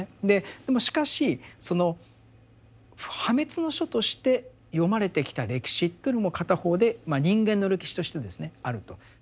でもしかしその破滅の書として読まれてきた歴史というのも片方でまあ人間の歴史としてあると。